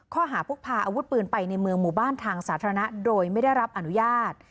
ข้อหาพกพาอาวุธปืนไปในเมืองหมู่บ้านทางสาธารณะโดยไม่ได้รับอนุญาต